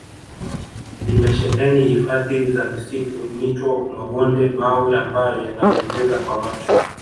limesheheni hifadhi za misitu mito mabonde mawe ambayo yanapendeza kwa macho